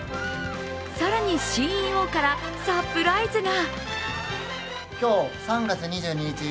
更に、ＣＥＯからサプライズが。